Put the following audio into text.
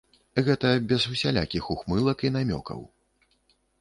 Гэта без усялякіх ухмылак і намёкаў.